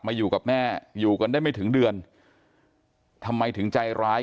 อยู่กับแม่อยู่กันได้ไม่ถึงเดือนทำไมถึงใจร้าย